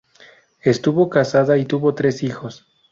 Estuvo casada y tuvo tres hijos.